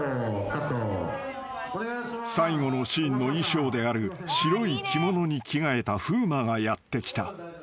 ［最後のシーンの衣装である白い着物に着替えた風磨がやって来た］